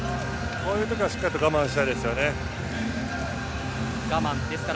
こういう時はしっかり我慢したいですよね。